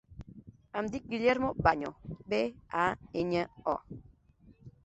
Em dic Guillermo Baño: be, a, enya, o.